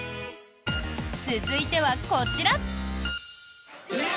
続いてはこちら。